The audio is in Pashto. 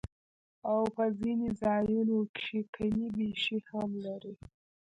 او پۀ ځنې ځايونو کښې کمی بېشی هم لري